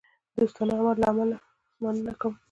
د دوستانه عمل له امله مننه کوم.